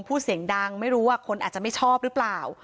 พูดเสียงดังไม่รู้ว่าคนอาจจะไม่ชอบหรือเปล่า